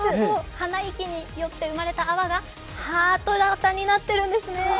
鼻息によって生まれた泡がハート形になっているんですね。